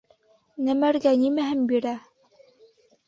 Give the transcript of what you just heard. - Нәмәргә нимәһен бирә?